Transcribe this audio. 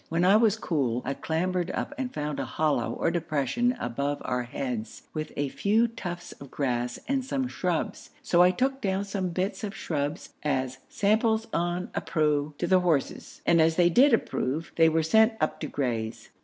When I was cool, I clambered up and found a hollow or depression above our heads, with a few tufts of grass and some shrubs, so I took down some bits of shrubs as 'samples on appro' to the horses, and as they did approve, they were sent up to graze.